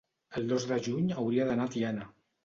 el dos de juny hauria d'anar a Tiana.